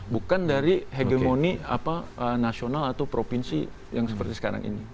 bukan dari hegemoni nasional atau provinsi yang seperti sekarang ini